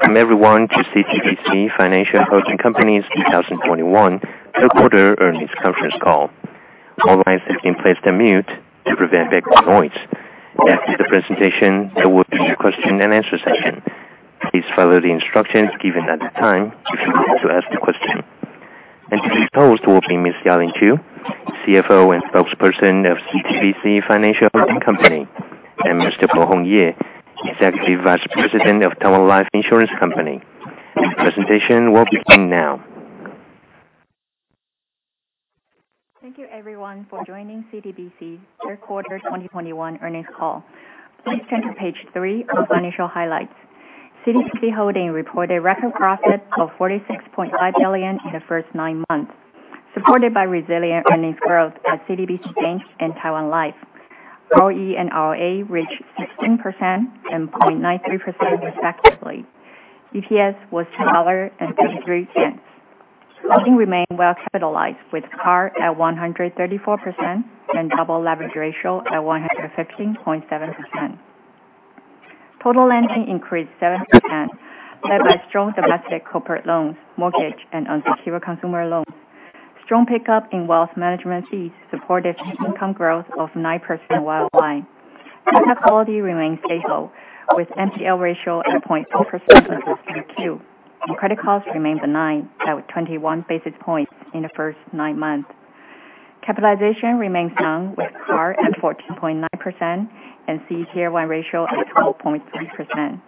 Welcome everyone to CTBC Financial Holding Company's 2021 third quarter earnings conference call. All lines have been placed on mute to prevent background noise. After the presentation, there will be a question and answer session. Please follow the instructions given at the time if you would like to ask a question. To begin, host will be Ms. Ya-Ling Chiu, CFO and spokesperson of CTBC Financial Holding Company, and Mr. Pai-Hung Yeh, Executive Vice President of Taiwan Life Insurance Company. The presentation will begin now. Thank you everyone for joining CTBC third quarter 2021 earnings call. Please turn to page three on financial highlights. CTBC Holding reported record profits of 46.5 billion in the first nine months, supported by resilient earnings growth at CTBC Bank and Taiwan Life. ROE and ROA reached 16% and 0.93% respectively. EPS was 10.33. Holding remained well capitalized with CAR at 134% and double leverage ratio at 115.7%. Total lending increased 7%, led by strong domestic corporate loans, mortgage, and unsecured consumer loans. Strong pickup in wealth management fees supported income growth of 9% year-over-year. Data quality remains stable with NPL ratio at 0.2% in 3Q, and credit costs remained benign at 21 basis points in the first nine months. Capitalization remains strong with CAR at 14.9% and CET1 ratio at 12.3%.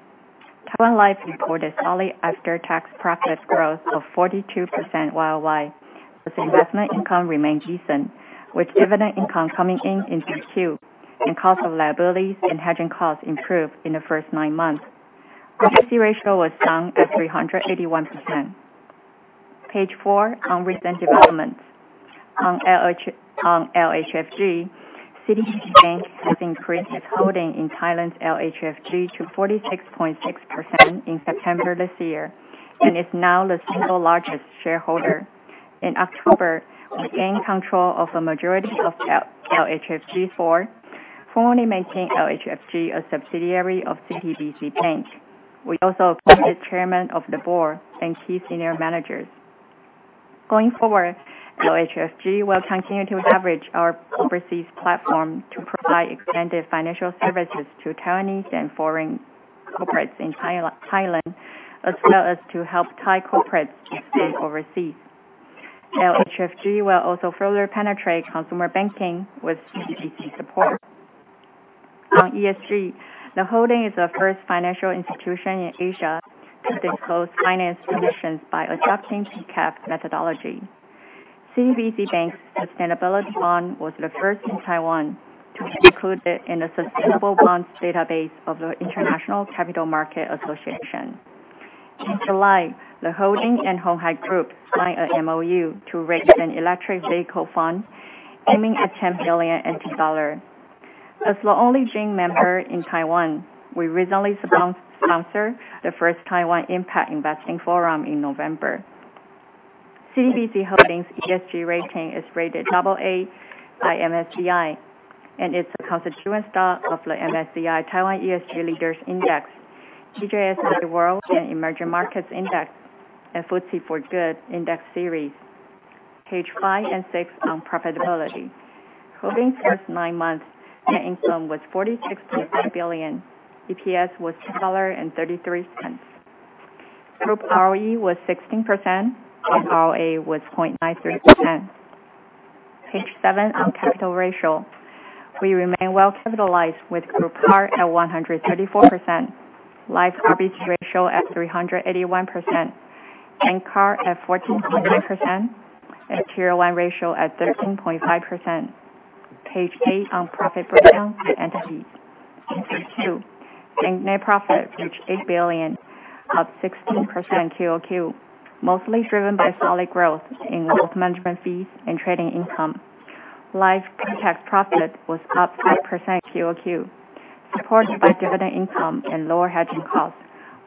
Taiwan Life reported solid after-tax profit growth of 42% year-over-year, as investment income remained decent, with dividend income coming in in 3Q, and cost of liabilities and hedging costs improved in the first nine months. RBC ratio was strong at 381%. Page four on recent developments. On LHFG, CTBC Bank has increased its holding in Thailand's LHFG to 46.6% in September this year, and is now the single largest shareholder. In October, we gained control of a majority of LHFG for formally making LHFG a subsidiary of CTBC Bank. We also appointed chairman of the board and key senior managers. Going forward, LHFG will continue to leverage our overseas platform to provide expanded financial services to Taiwanese and foreign corporates in Thailand, as well as to help Thai corporates expand overseas. LHFG will also further penetrate consumer banking with CTBC support. On ESG, the holding is the first financial institution in Asia to disclose finance emissions by adopting PCAF methodology. CTBC Bank's sustainability bond was the first in Taiwan to be included in the sustainable bonds database of the International Capital Market Association. In July, the holding and Hon Hai Group signed an MoU to raise an electric vehicle fund aiming at 10 billion dollars. As the only GIIN member in Taiwan, we recently sponsored the first Taiwan Impact Investing Forum in November. CTBC Holding's ESG rating is rated double A by MSCI, and it's a constituent stock of the MSCI Taiwan ESG Leaders Index. DJSI has a World and Emerging Markets Index and FTSE4Good Index series. Page five and six on profitability. Holding's first nine months, net income was 46.5 billion, EPS was 10.33 dollars. Group ROE was 16% and ROA was 0.93%. Page seven on capital ratio. We remain well capitalized with group CAR at 134%, Life RBTS ratio at 381%, and CAR at 14.9%, and Tier 1 ratio at 13.5%. Page eight on profit breakdown by entities. In Q2, bank net profit reached 8 billion, up 16% QOQ, mostly driven by solid growth in wealth management fees and trading income. Life pre-tax profit was up 5% QOQ, supported by dividend income and lower hedging costs,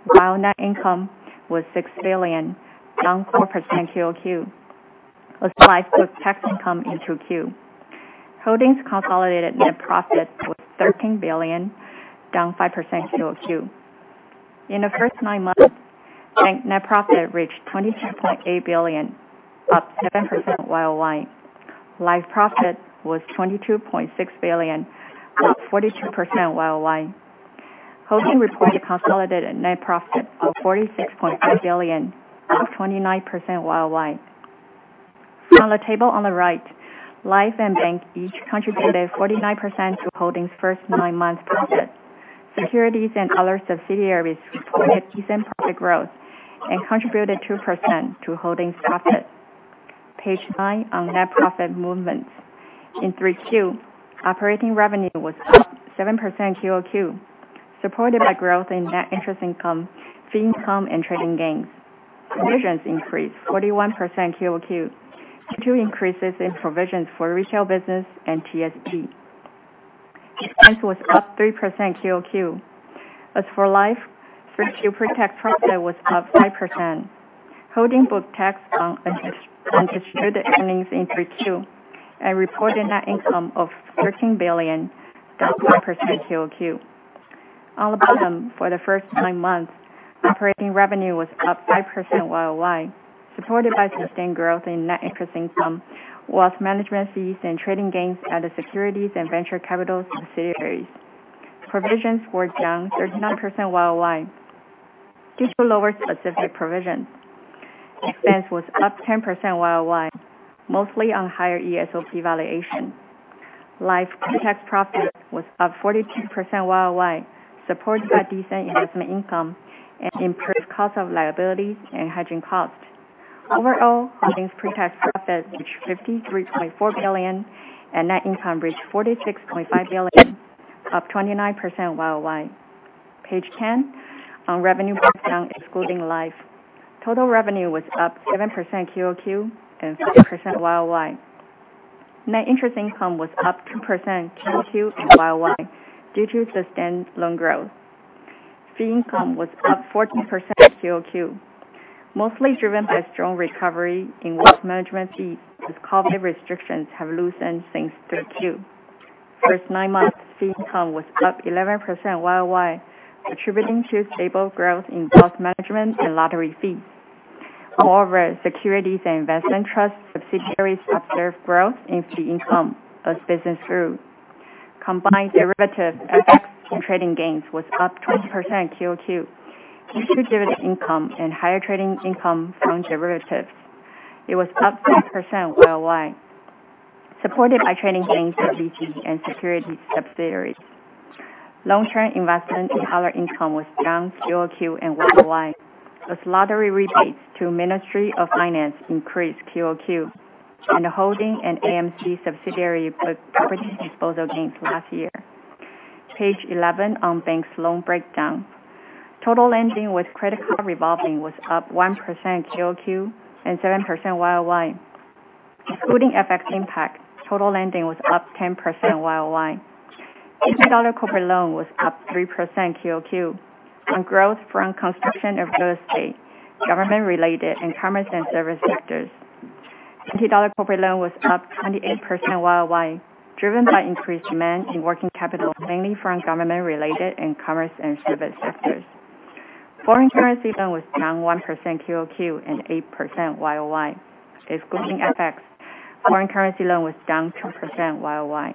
while net income was 6 billion, down 4% QOQ. As well as with tax income in 2Q. Holdings' consolidated net profit was 13 billion, down 5% QOQ. In the first nine months, bank net profit reached 22.8 billion, up 7% YOY. Life profit was 22.6 billion, up 42% YOY. Holding reported consolidated net profit of 46.5 billion, up 29% YOY. On the table on the right, Life and Bank each contributed 49% to Holdings' first nine months profit. Securities and other subsidiaries reported decent profit growth and contributed 2% to Holdings' profit. Page nine on net profit movements. In 3Q, operating revenue was up 7% QOQ, supported by growth in net interest income, fee income, and trading gains. Provisions increased 41% QOQ due to increases in provisions for retail business and TSP. Expense was up 3% QOQ. As for Life, 3Q pre-tax profit was up 5%. Holding both tax on distributed earnings in 3Q and reported net income of 13 billion, down 1% QOQ. On the bottom, for the first nine months, operating revenue was up 5% YOY, supported by sustained growth in net interest income, wealth management fees, and trading gains at the securities and venture capital subsidiaries. Provisions were down 39% YOY due to lower specific provisions. Expense was up 10% YOY, mostly on higher ESOP valuation. Life pre-tax profit was up 42% YOY, supported by decent investment income and improved cost of liabilities and hedging costs. Overall, holding pre-tax profit reached 53.4 billion, and net income reached 46.5 billion, up 29% YOY. Page 10, on revenue breakdown excluding life. Total revenue was up 7% QOQ and 5% YOY. Net interest income was up 2% QOQ and YOY due to sustained loan growth. Fee income was up 14% QOQ, mostly driven by strong recovery in wealth management fees as COVID restrictions have loosened since 3Q. First nine months, fee income was up 11% YOY, contributing to stable growth in wealth management and lottery fees. Moreover, securities and investment trust subsidiaries observed growth in fee income as business grew. Combined derivative, FX, and trading gains was up 20% QOQ due to derivative income and higher trading income from derivatives. It was up 6% YOY, supported by trading gains at BT and securities subsidiaries. Long-term investment and other income was down QOQ and YOY as lottery rebates to Ministry of Finance increased QOQ, and the holding and AMC subsidiary booked property disposal gains last year. Page 11 on bank's loan breakdown. Total lending with credit card revolving was up 1% QOQ and 7% YOY. Excluding FX impact, total lending was up 10% YOY. NT dollar corporate loan was up 3% QOQ on growth from construction of real estate, government-related, and commerce and service sectors. NT dollar corporate loan was up 28% YOY, driven by increased demand in working capital, mainly from government-related and commerce and service sectors. Foreign currency loan was down 1% QOQ and 8% YOY. Excluding FX, foreign currency loan was down 2% YOY.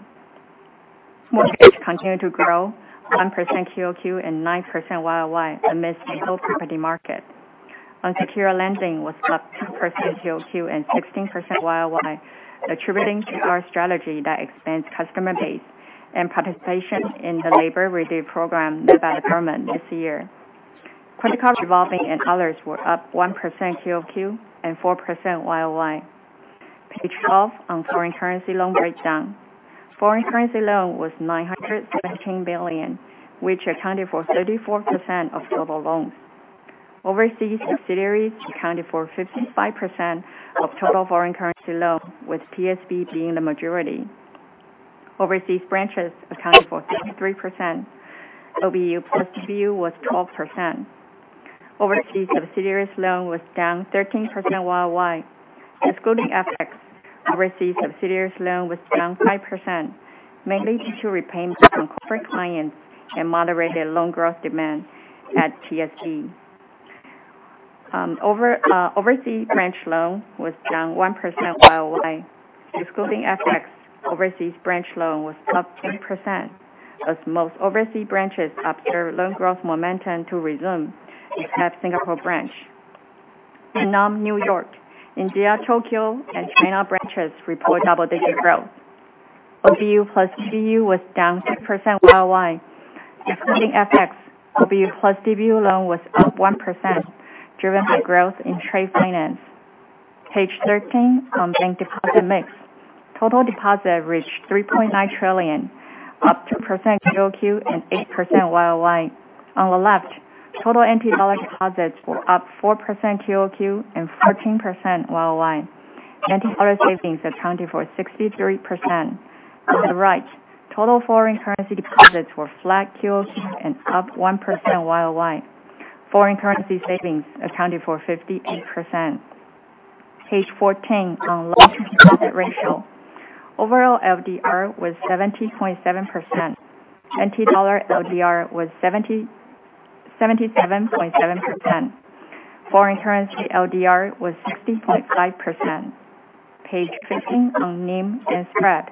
Small business continued to grow 1% quarter-over-quarter and 9% year-over-year amidst a slow property market. Unsecured lending was up 10% quarter-over-quarter and 16% year-over-year, attributing to our strategy that expands customer base and participation in the labor relief program led by the government this year. Credit card revolving and others were up 1% quarter-over-quarter and 4% year-over-year. Page 12 on foreign currency loan breakdown. Foreign currency loan was 917 billion, which accounted for 34% of total loans. Overseas subsidiaries accounted for 55% of total foreign currency loans, with PSB being the majority. Overseas branches accounted for 63%. OBU plus DBU was 12%. Overseas subsidiaries loan was down 13% year-over-year. Excluding FX, overseas subsidiaries loan was down 5%, mainly due to repayment from corporate clients and moderated loan growth demand at PSB. Overseas branch loan was down 1% year-over-year. Excluding FX, overseas branch loan was up 10% as most overseas branches observed loan growth momentum to resume except Singapore branch. Vietnam, New York, India, Tokyo, and China branches reported double-digit growth. OBU plus DBU was down 6% year-over-year. Excluding FX, OBU plus DBU loan was up 1%, driven by growth in trade finance. Page 13 on bank deposit mix. Total deposits reached 3.9 trillion, up 2% quarter-over-quarter and 8% year-over-year. On the left, total NT dollar deposits were up 4% quarter-over-quarter and 14% year-over-year. NT dollar savings accounted for 63%. On the right, total foreign currency deposits were flat quarter-over-quarter and up 1% year-over-year. Foreign currency savings accounted for 58%. Page 14 on loan deposit ratio. Overall LDR was 70.7%. NT dollar LDR was 77.7%. Foreign currency LDR was 60.5%. Page 15 on NIM and spread.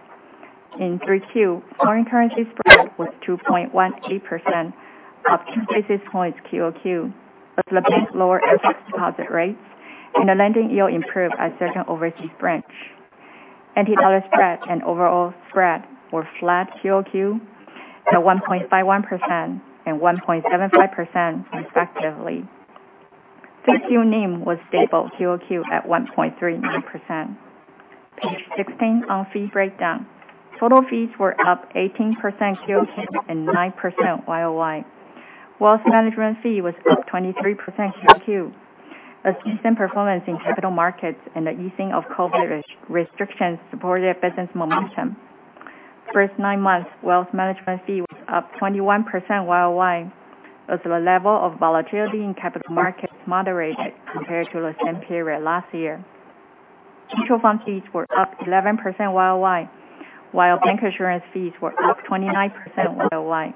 In 3Q, foreign currency spread was 2.18%, up 20 basis points quarter-over-quarter, reflecting lower interest deposit rates and a lending yield improvement at certain overseas branch. NT dollar spread and overall spread were flat quarter-over-quarter at 1.51% and 1.75% respectively. 3Q NIM was stable quarter-over-quarter at 1.39%. Page 16 on fee breakdown. Total fees were up 18% quarter-over-quarter and 9% year-over-year. Wealth management fee was up 23% quarter-over-quarter as recent performance in capital markets and the easing of COVID restrictions supported business momentum. First nine months, wealth management fee was up 21% year-over-year as the level of volatility in capital markets moderated compared to the same period last year. Mutual fund fees were up 11% year-over-year, while bank assurance fees were up 29% year-over-year.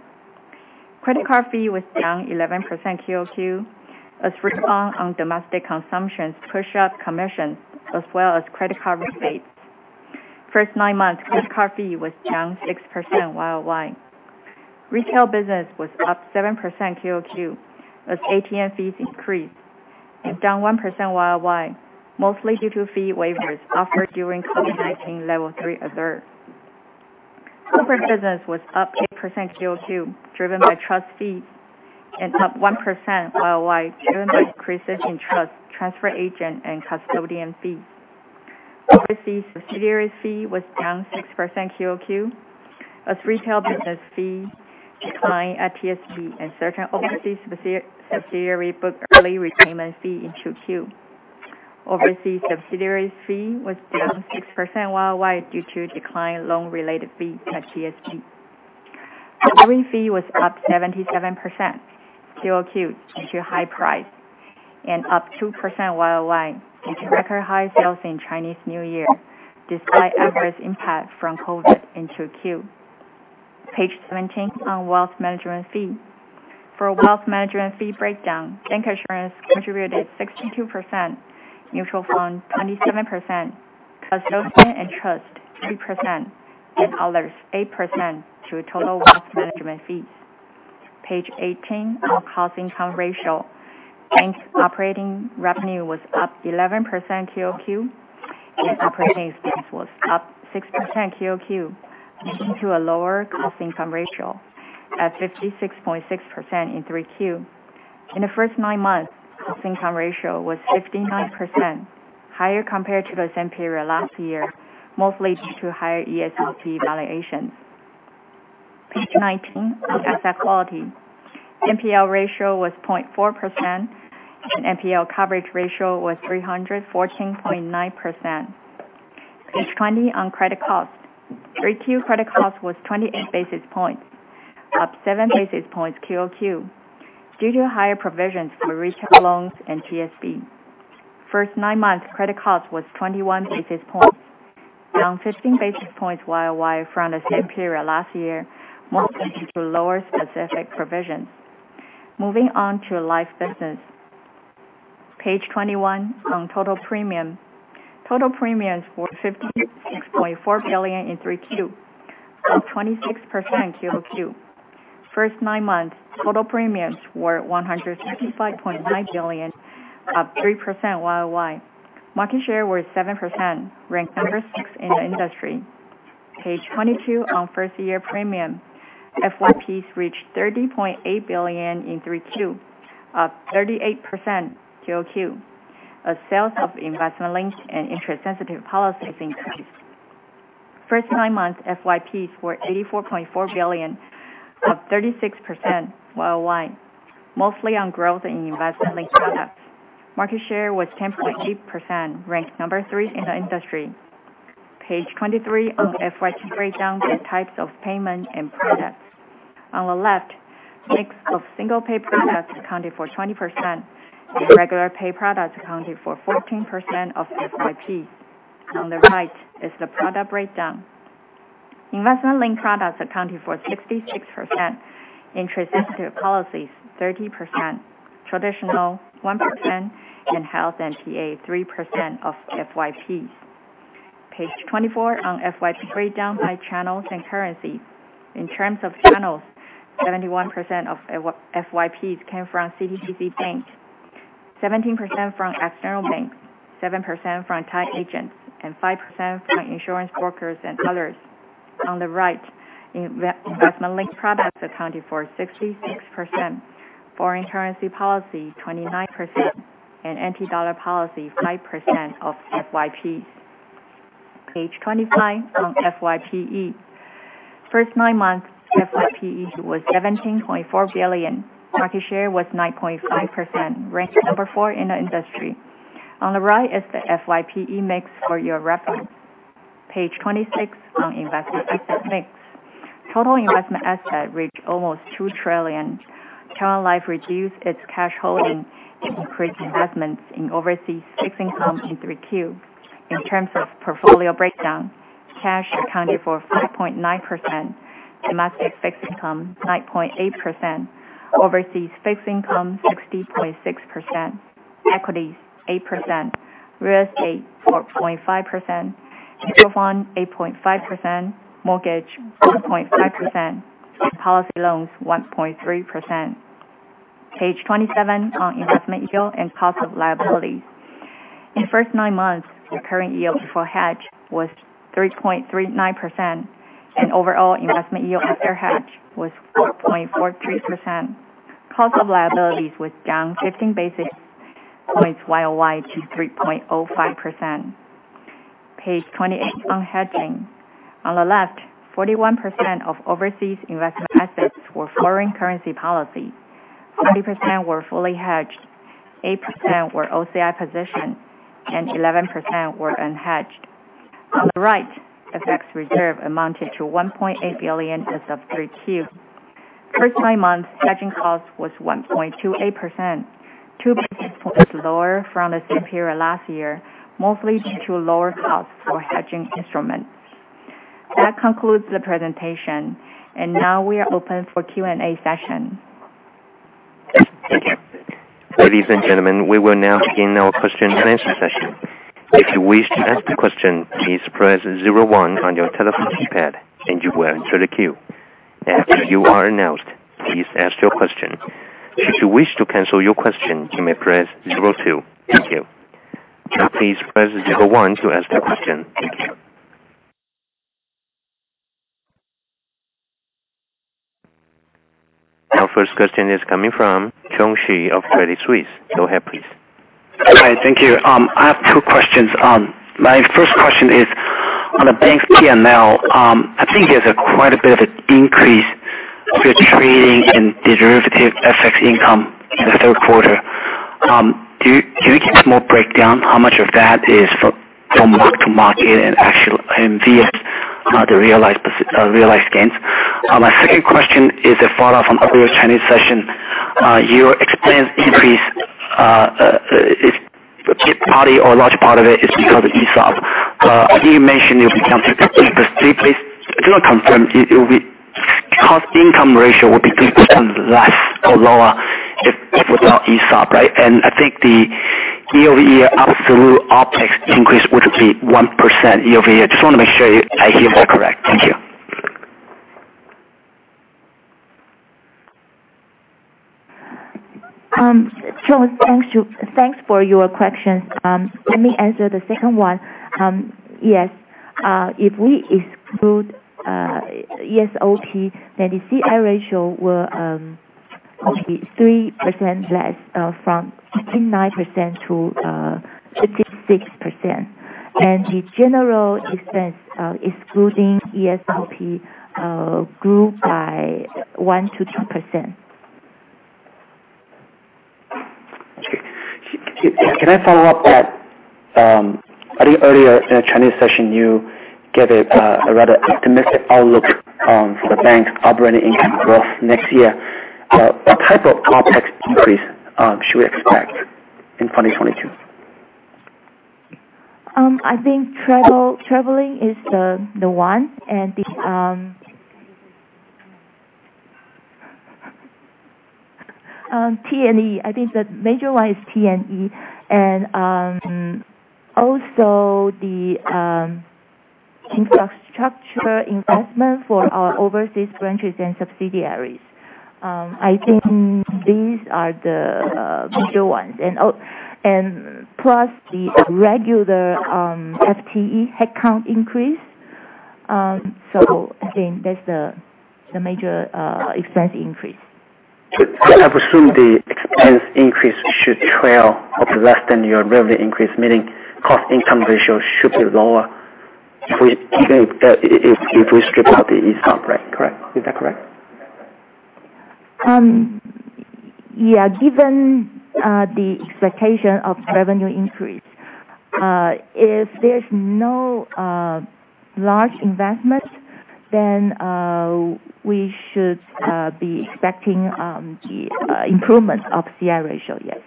Credit card fee was down 11% quarter-over-quarter as rebound on domestic consumptions push up commissions as well as credit card rebates. First nine months, credit card fee was down 6% year-over-year. Retail business was up 7% quarter-over-quarter as ATM fees increased and down 1% year-over-year, mostly due to fee waivers offered during COVID-19 level 3 alert. Corporate business was up 8% quarter-over-quarter, driven by trust fee, and up 1% year-over-year driven by increases in trust, transfer agent, and custodian fees. Overseas subsidiary fee was down 6% quarter-over-quarter as retail business fee declined at GSP and certain overseas subsidiary booked early repayment fee in Q2. Overseas subsidiaries fee was down 6% year-over-year due to decline in loan-related fees at GSP. Delivery fee was up 77% quarter-over-quarter due to high price, and up 2% year-over-year due to record high sales in Chinese New Year despite adverse impact from COVID in Q2. Page 17 on wealth management fee. For wealth management fee breakdown, bank assurance contributed 62%, mutual fund 27%, custodian and trust 3%, and others 8% to total wealth management fees. Page 18 on Cost-to-Income ratio. Bank operating revenue was up 11% QOQ and operating expense was up 6% QOQ, leading to a lower Cost-to-Income ratio at 56.6% in Q3. In the first nine months, Cost-to-Income ratio was 59%, higher compared to the same period last year, mostly due to higher ESG valuations. Page 19 on asset quality. NPL ratio was 0.4%, and NPL coverage ratio was 314.9%. Page 20 on credit cost. Q3 credit cost was 28 basis points, up seven basis points QOQ due to higher provisions for retail loans and TSP. First nine months, credit cost was 21 basis points, down 15 basis points YOY from the same period last year, mostly due to lower specific provisions. Moving on to Life & Health business. Page 21 on total premium. Total premiums were 56.4 billion in Q3, up 26% QOQ. First nine months, total premiums were 155.9 billion, up 3% YOY. Market share was 7%, ranked number 6 in the industry. Page 22 on first year premium. FYPs reached 30.8 billion in Q3, up 38% QOQ. As sales of investment-linked and interest-sensitive policies increased. First nine months, FYPs were 84.4 billion, up 36% YOY, mostly on growth in investment-linked products. Market share was 10.8%, ranked number 3 in the industry. Page 23 on FYP breakdown by types of payment and products. On the left, mix of single pay products accounted for 20%, and regular pay products accounted for 14% of the FYPs. On the right is the product breakdown. Investment-linked products accounted for 66%, interest-sensitive policies 30%, traditional 1%, and health and PA 3% of FYPs. Page 24 on FYP breakdown by channels and currency. In terms of channels, 71% of FYPs came from CTBC Bank, 17% from external banks, 7% from tied agents, and 5% from insurance brokers and others. On the right, investment-linked products accounted for 66%, foreign currency policy 29%, and NT dollar policy 5% of FYPs. Page 25 on FYPE. First nine months, FYPE was 17.4 billion. Market share was 9.5%, ranked number 4 in the industry. On the right is the FYPE mix for your reference. Page 26 on invested asset mix. Total investment asset reached almost 2 trillion Taiwan dollars. Taiwan Life reduced its cash holding and increased investments in overseas fixed income in Q3. In terms of portfolio breakdown, cash accounted for 5.9%, domestic fixed income 9.8%, overseas fixed income 60.6%, equities 8%, real estate 4.5%, mutual fund 8.5%, mortgage 1.5%, and policy loans 1.3%. Page 27 on investment yield and cost of liabilities. In the first nine months, the current yield before hedge was 3.39%, and overall investment yield after hedge was 4.43%. Cost of liabilities was down 50 basis points YOY to 3.05%. Page 28 on hedging. On the left, 41% of overseas investment assets were foreign currency policy. 20% were fully hedged, 8% were OCI position, and 11% were unhedged. On the right, FX reserve amounted to 1.8 billion as of 3Q. First nine months, hedging cost was 1.28%, 2% lower from the same period last year, mostly due to lower cost for hedging instruments. That concludes the presentation, and now we are open for Q&A session. Thank you. Ladies and gentlemen, we will now begin our question and answer session. If you wish to ask a question, please press 01 on your telephone keypad and you will enter the queue. After you are announced, please ask your question. If you wish to cancel your question, you may press 02. Thank you. Now please press 01 to ask a question. Thank you. Our first question is coming from Chung Hsu of Credit Suisse. Go ahead, please. Hi. Thank you. I have two questions. My first question is on the bank's P&L. I think there's quite a bit of an increase for trading in derivative FX income in the third quarter. Can we get a small breakdown how much of that is from mark to market and actual MVS, the realized gains? My second question is a follow-up from earlier Chinese session. Your expense increase, if a big part or a large part of it is because of ESOP. I think you mentioned it. Could you please confirm, Cost-to-Income ratio will be 3% less or lower if without ESOP, right? I think the year-over-year absolute OpEx increase would be 1% year-over-year. Just want to make sure I hear that correct. Thank you. Chung, thanks for your questions. Let me answer the second one. Yes, if we exclude ESOP, the Cost-to-Income ratio will probably 3% less from 59%-56%. The general expense, excluding ESOP, grew by 1%-2%. Okay. Can I follow up that? I think earlier in the Chinese session, you gave a rather optimistic outlook for the bank's operating income growth next year. What type of OpEx increase should we expect in 2022? I think traveling is the one and the T&E. I think the major one is T&E and also the infrastructure investment for our overseas branches and subsidiaries. I think these are the major ones. Plus the regular FTE headcount increase. I think that's the major expense increase. I presume the expense increase should trail or be less than your revenue increase, meaning Cost-to-Income ratio should be lower if we strip out the ESOP, correct? Is that correct? Given the expectation of revenue increase, if there's no large investment, we should be expecting the improvement of Cost-to-Income ratio, yes.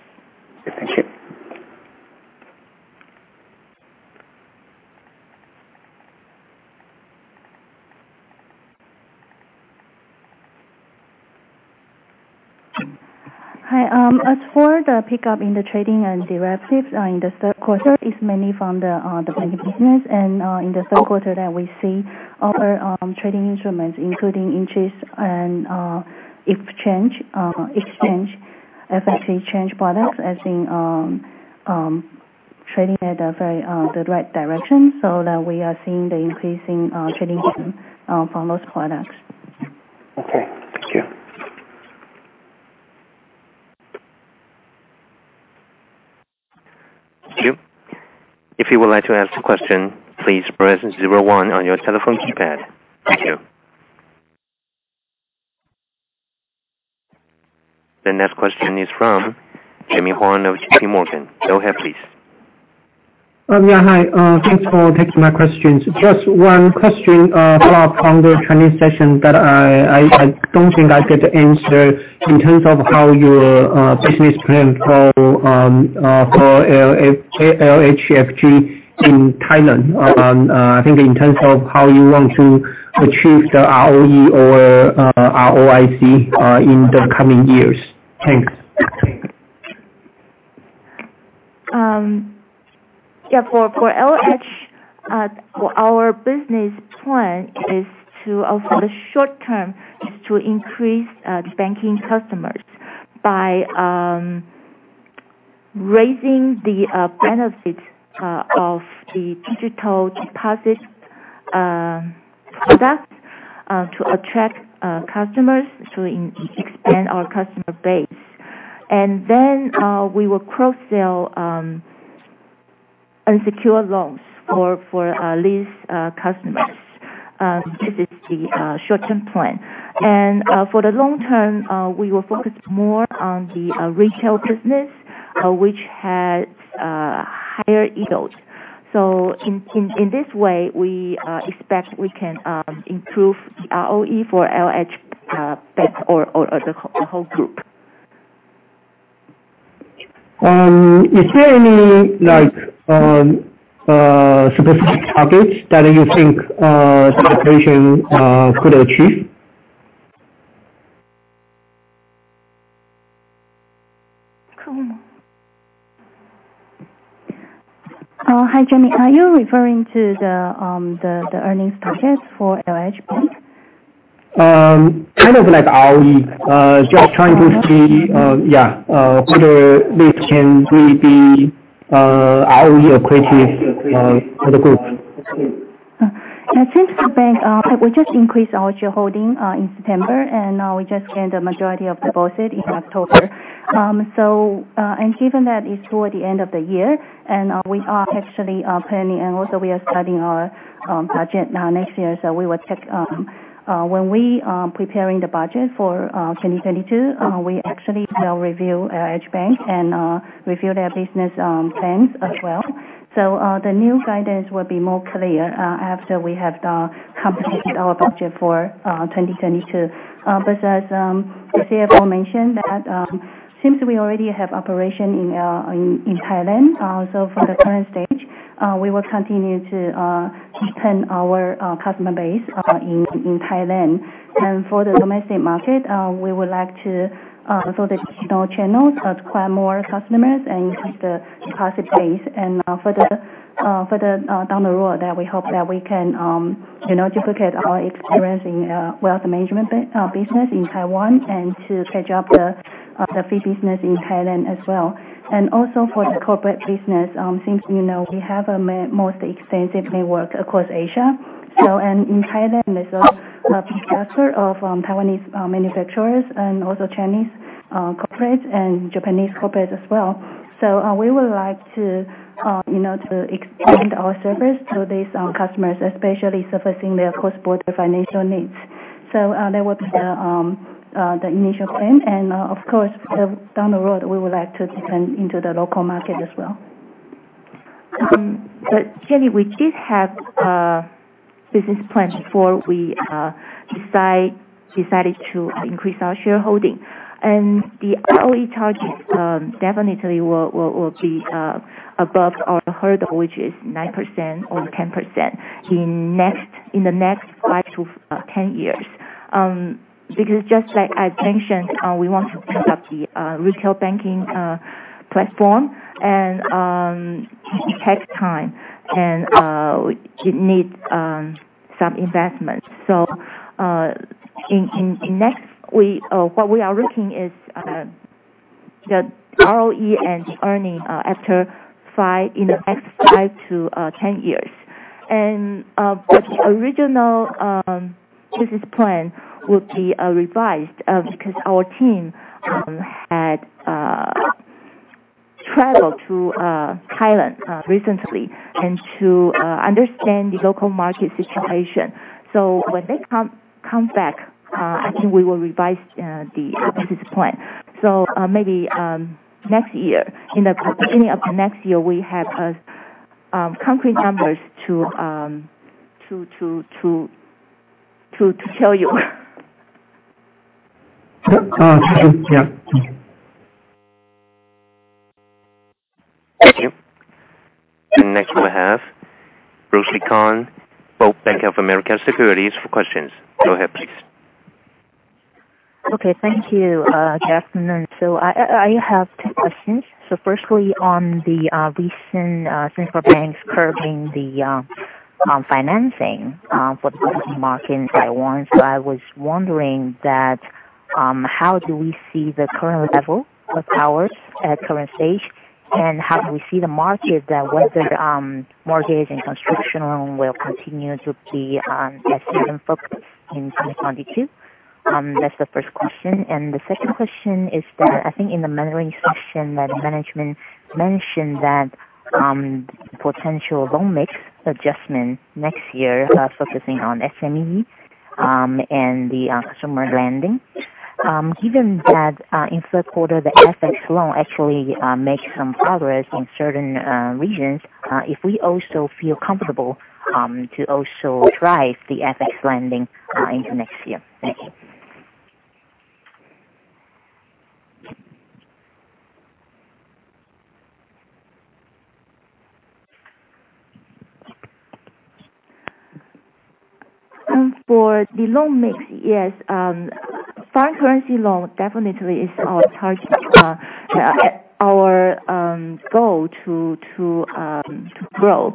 Thank you. As for the pickup in the trading and derivatives in the third quarter, it's mainly from the banking business. In the third quarter, we see other trading instruments, including interest and FX change products as in trading at the right direction, so that we are seeing the increase in trading from those products. Thank you. Thank you. If you would like to ask a question, please press 01 on your telephone keypad. Thank you. The next question is from Jimmy Huang of J.P. Morgan. Go ahead, please. Yeah. Hi. Thanks for taking my questions. Just one question follow-up from the Chinese session that I don't think I get the answer in terms of how your business plan for LHFG in Thailand. I think in terms of how you want to achieve the ROE or ROIC in the coming years. Thanks. Yeah. For LH, our business plan for the short term is to increase the banking customers by raising the benefit of the digital deposit product to attract customers to expand our customer base. Then we will cross-sell unsecured loans for lease customers. This is the short-term plan. For the long term, we will focus more on the retail business, which has higher yields. In this way, we expect we can improve the ROE for LH Bank or the whole group. Is there any specific targets that you think the operation could achieve? Hi, Jimmy. Are you referring to the earnings targets for LH Bank? Kind of like ROE. Just trying to see, yeah, whether this can really be ROE accretive for the group. Since the bank, we just increased our shareholding in September, now we just gained a majority of the board seat in October. Given that it's toward the end of the year, we are actually planning and also we are starting our budget now next year, we will check. When we are preparing the budget for 2022, we actually will review LH Bank and review their business plans as well. The new guidance will be more clear after we have completed our budget for 2022. As the CFO mentioned that since we already have operation in Thailand, for the current stage, we will continue to deepen our customer base in Thailand. For the domestic market, we would like to, through the digital channels, acquire more customers and increase the deposit base. Further down the road, we hope that we can duplicate our experience in wealth management business in Taiwan and to catch up the fee business in Thailand as well. Also for the corporate business, since you know we have a most extensive network across Asia. In Thailand, there's a cluster of Taiwanese manufacturers and also Chinese corporates and Japanese corporates as well. We would like to expand our service to these customers, especially servicing their cross-border financial needs. That would be the initial plan. Of course, down the road, we would like to deepen into the local market as well. Jimmy, we did have a business plan before we decided to increase our shareholding. The ROE targets definitely will be above our hurdle, which is 9% or 10% in the next five to 10 years. Just like I mentioned, we want to build up the retail banking platform, and it takes time, and it needs some investment. In next, what we are looking is the ROE and earning in the next 5 to 10 years. The original business plan will be revised because our team had traveled to Thailand recently and to understand the local market situation. When they come back, I think we will revise the business plan. Maybe next year, in the beginning of next year, we have concrete numbers to show you. Thank you. Yeah. Thank you. Next we have Bruce Lu from Bank of America Securities for questions. Go ahead, please. Okay. Thank you. Good afternoon. I have two questions. Firstly, on the recent central banks curbing the financing for the property market in Taiwan. I was wondering that how do we see the current level of ours at current stage, and how do we see the market that whether mortgage and construction loan will continue to be a season focus in 2022? That's the first question. The second question is that, I think in the mentoring session that management mentioned that potential loan mix adjustment next year, focusing on SME and the consumer lending. Given that in third quarter, the FX loan actually make some progress in certain regions, if we also feel comfortable to also drive the FX lending into next year. Thank you. For the loan mix, yes, foreign currency loan definitely is our target, our goal to grow.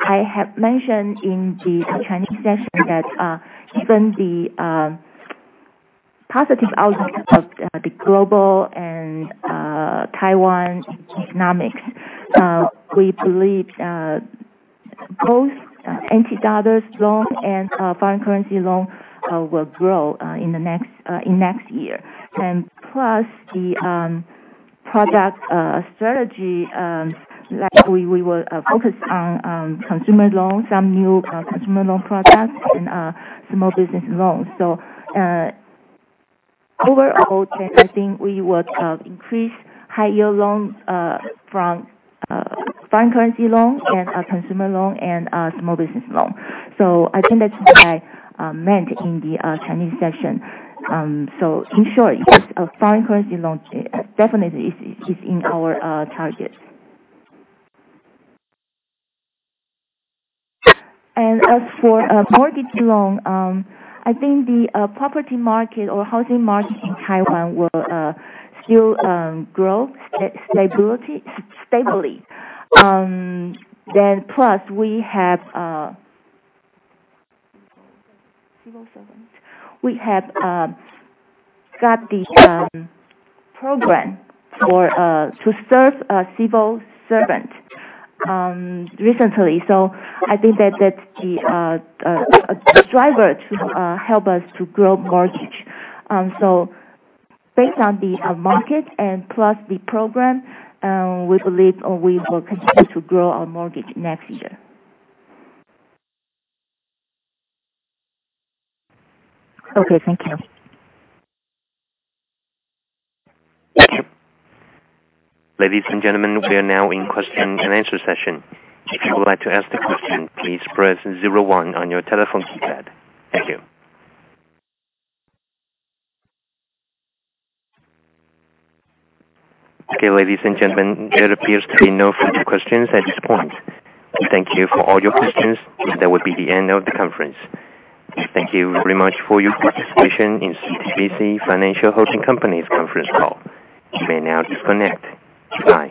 I have mentioned in the Chinese session that given the positive outlook of the global and Taiwan economics, we believe both NT dollar loan and foreign currency loan will grow in next year. Plus the product strategy, we will focus on consumer loans, some new consumer loan products, and small business loans. Overall, I think we would increase high-yield loans from foreign currency loans and consumer loans and small business loans. I think that's what I meant in the Chinese session. In short, yes, foreign currency loans definitely is in our targets. As for mortgage loans, I think the property market or housing market in Taiwan will still grow stably. Plus we have got the program to serve civil servants recently. I think that's the driver to help us to grow mortgage. Based on the market and plus the program, we believe we will continue to grow our mortgage next year. Okay, thank you. Ladies and gentlemen, we are now in question and answer session. If you would like to ask a question, please press zero one on your telephone keypad. Thank you. Okay, ladies and gentlemen, there appears to be no further questions at this point. Thank you for all your questions. That would be the end of the conference. Thank you very much for your participation in CTBC Financial Holding Company's conference call. You may now disconnect. Bye.